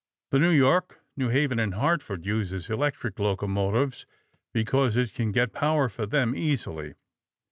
The New York, New Haven & Hartford uses electric locomotives because it can get power for them easily.